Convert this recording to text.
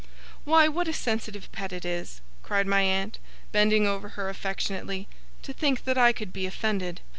'Why, what a sensitive pet it is!' cried my aunt, bending over her affectionately. 'To think that I could be offended!